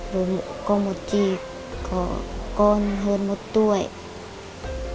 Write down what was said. rồi có một chị có con hơn một tuổi